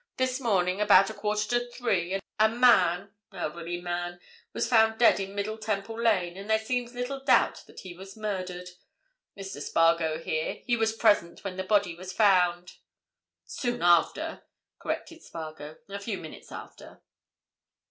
"This morning, about a quarter to three, a man—elderly man—was found dead in Middle Temple Lane, and there seems little doubt that he was murdered. Mr. Spargo here—he was present when the body was found." "Soon after," corrected Spargo. "A few minutes after."